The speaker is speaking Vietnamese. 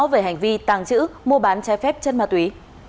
về hành vi tàng trữ mua bán trái phép chất ma túy